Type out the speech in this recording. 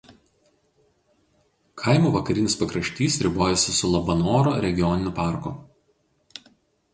Kaimo vakarinis pakraštys ribojasi su Labanoro regioniniu parku.